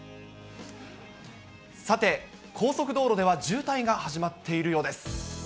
さて、高速道路では渋滞が始まっているようです。